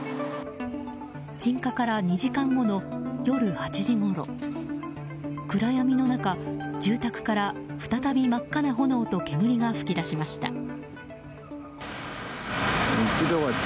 鎮火から２時間後の夜８時ごろ暗闇の中、住宅から再び真っ赤な炎と煙が噴き出しました。